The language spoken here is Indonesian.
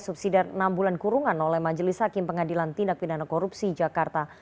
subsidi dari enam bulan kurungan oleh majelis hakim pengadilan tindak pindahan korupsi jakarta